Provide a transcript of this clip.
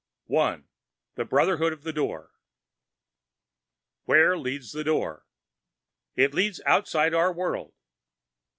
_] 1. The Brotherhood of the Door "Where leads the Door?" "_It leads outside our world.